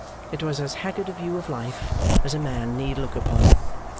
It was as haggard a view of life as a man need look upon.